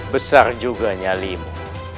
besar juga nyalimu